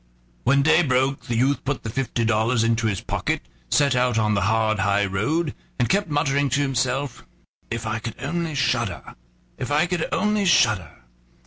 When day broke the youth put the fifty dollars into his pocket, set out on the hard high road, and kept muttering to himself: "If I could only shudder! if I could only shudder!"